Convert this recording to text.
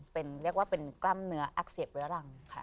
เรียกว่าเป็นกล้ำเนื้ออักเสบระดังค่ะ